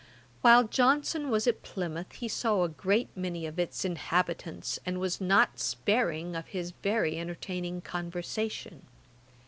While Johnson was at Plymouth, he saw a great many of its inhabitants, and was not sparing of his very entertaining conversation.